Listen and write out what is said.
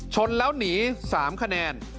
ชนแล้วหนี๓คะแนน